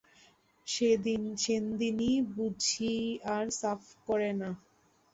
সেনদিনি বুঝি আর সাফ করে না?